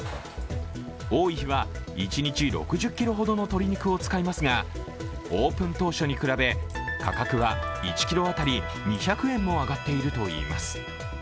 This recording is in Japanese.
多い日は一日６０ｋｇほどの鶏肉を使いますが、オープン当初に比べ価格は１ｋｇ当たり２００円も上がっているといいます。